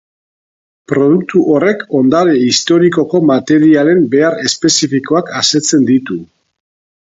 Produktu horrek ondare historikoko materialen behar espezifikoak asetzen ditu.